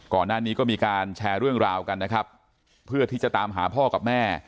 ก่อนหน้านี้ก็มีการแชร์เรื่องราวกันนะครับเพื่อที่จะตามหาพ่อกับแม่